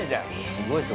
すごいです。